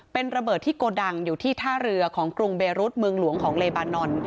เป็นระเบิดที่โกดังอยู่ที่ท่าเรือของกรุงเบรุษเมืองหลวงของเลบานอน